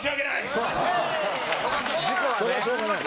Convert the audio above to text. それはしょうがない。